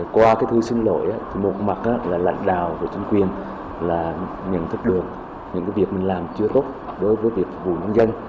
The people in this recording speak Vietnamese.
qua cái thư xin lỗi một mặt là lãnh đạo của chính quyền là nhận thức được những cái việc mình làm chưa tốt đối với việc phục vụ nhân dân